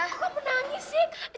kok kamu nangis sih